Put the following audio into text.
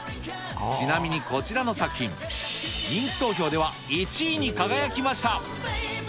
ちなみにこちらの作品、人気投票では１位に輝きました。